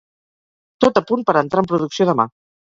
Tot a punt per entrar en producció demà.